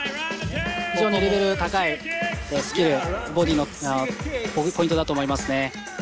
非常にレベル高いスキルボディーのポイントだと思いますね。